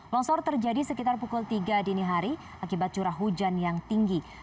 longsor terjadi sekitar pukul tiga dini hari akibat curah hujan yang tinggi